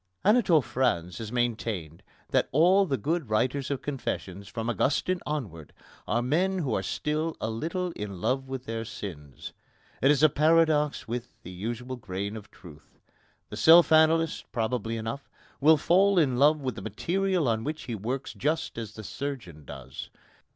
Anatole France has maintained that all the good writers of confessions, from Augustine onwards, are men who are still a little in love with their sins. It is a paradox with the usual grain of truth. The self analyst, probably enough, will fall in love with the material on which he works just as the surgeon does.